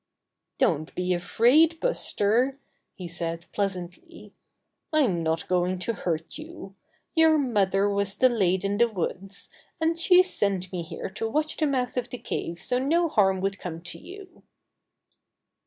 '^Don't be afraid, Buster," he said pleas antly. *'I'm not going to hurt you. Your mother was delayed in the woods, and she sent me here to watch the mouth of the cave so no harm would come to you."